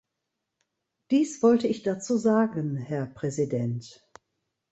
Dies wollte ich dazu sagen, Herr Präsident.